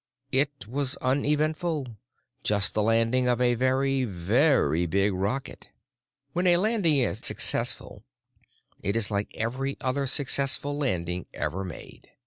It was uneventful—just the landing of a very, very big rocket. When a landing is successful it is like every other successful landing ever made.